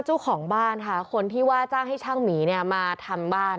เจ้าของบ้านค่ะคนที่ว่าจ้างให้ช่างหมีเนี่ยมาทำบ้าน